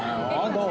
どう？